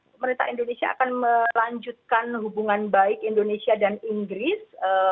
pemerintah indonesia akan melanjutkan hubungan baik indonesia dan inggris